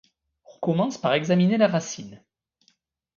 On commence par examiner la racine.